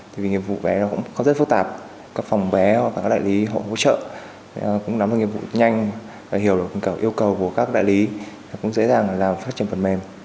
thì vì nghiệp vụ vé nó cũng rất phức tạp các phòng vé các đại lý họ hỗ trợ cũng nắm được nghiệp vụ nhanh hiểu được yêu cầu của các đại lý cũng dễ dàng làm phát triển phần mềm